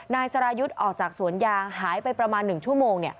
นายสรายุทธ์ออกจากสวนยางหายไปประมาณ๑ชั่วโมง